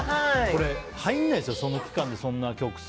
入らないですよ、その期間でそんな曲数。